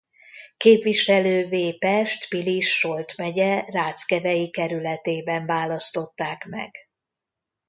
Képviselővé Pest-Pilis-Solt megye ráckevei kerületében választották meg.